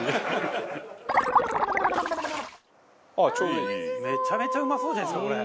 カズレーザー：めちゃめちゃうまそうじゃないですか、これ。